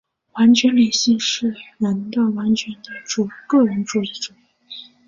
完全理性的人是完全的个人主义者。